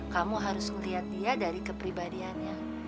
kamu harus melihat dia dari kepribadiannya